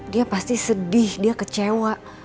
dia pasti sedih dia kecewa